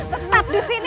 tetap di sini